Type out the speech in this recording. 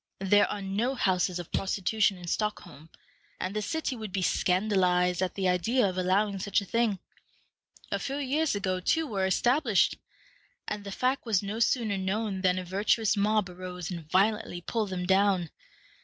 There are no houses of prostitution in Stockholm, and the city would be scandalized at the idea of allowing such a thing. A few years ago two were established, and the fact was no sooner known than a virtuous mob arose and violently pulled them down.